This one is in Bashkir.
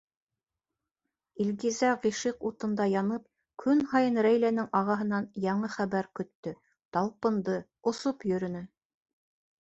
Илгизә ғишыҡ утында янып, көн һайын Рәйләнең ағаһынан яңы хәбәр көттө, талпынды, осоп йөрөнө.